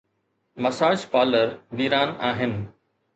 Massage parlour ويران آهن.